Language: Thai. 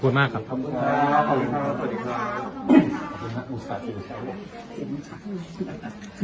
คำถามก่อนที่หน่อยครับสวัสดีครับวุฒัะชื่อแชร์บน